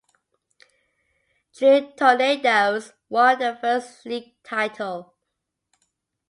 Troon Tornadoes won their first league title.